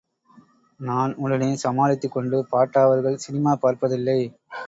நான் உடனே சமாளித்துக் கொண்டு பாட்டா அவர்கள் சினிமா பார்ப்பதில்லை.